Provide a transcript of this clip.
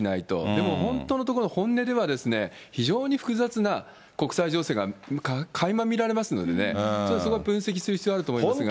でも本当のところ、本音では非常に複雑な国際情勢がかいま見られますのでね、ちょっとそこは分析する必要があると思いますが。